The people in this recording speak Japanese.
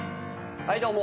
はいどうも。